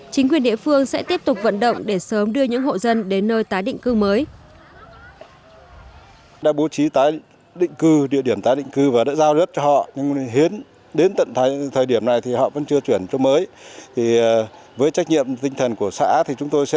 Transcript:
chính quyền địa phương sẽ tiếp tục vận động để sớm đưa những hộ dân đến nơi tái định cư mới